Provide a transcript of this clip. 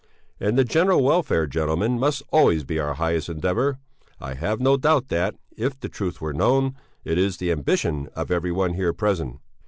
And the general welfare, gentlemen, must always be our highest endeavour; I have no doubt that if the truth were known it is the ambition of every one here present.